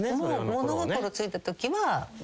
物心ついたときは。